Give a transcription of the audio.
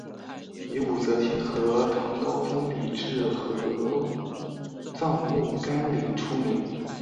以武则天和唐高宗李治合葬墓干陵出名。